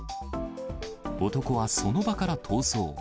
男はその場から逃走。